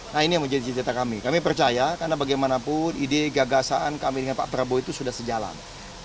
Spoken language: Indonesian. nah ini yang menjadi cita kami kami percaya karena bagaimanapun ide gagasan kami dengan pak prabowo itu sudah sejalan